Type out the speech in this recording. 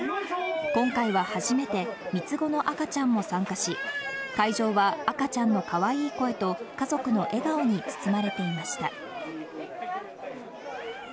今回は初めて三つ子の赤ちゃんも参加し、会場は赤ちゃんのかわいい声と、家族の笑顔に包まれていました。